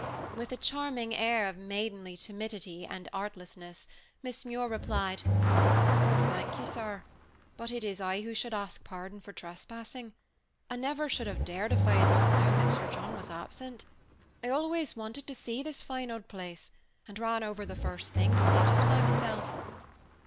With a charming air of maidenly timidity and artlessness, Miss Muir replied, "Oh, thank you, sir! But it is I who should ask pardon for trespassing. I never should have dared if I had not known that Sir John was absent. I always wanted to see this fine old place, and ran over the first thing, to satisfy myself."